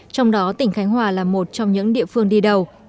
trong đó tỉnh khánh hòa là một trong những địa phương đi đầu